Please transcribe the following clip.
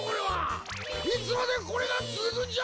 いつまでこれがつづくんじゃ！？